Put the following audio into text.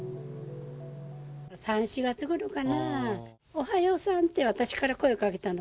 ３、４月ごろかな、おはようさんって私から声をかけたの。